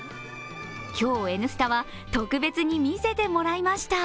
今日、「Ｎスタ」は特別に見せてもらいました。